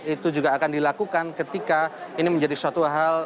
itu juga akan dilakukan ketika ini menjadi suatu hal